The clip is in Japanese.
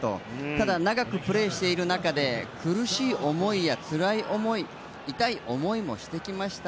ただ、長くプレーしている中で苦しい思いやつらい思い、痛い思いもしてきました。